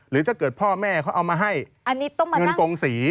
หรือถ้าเกิดพ่อแม่เขาเอามาให้เงินกงศรี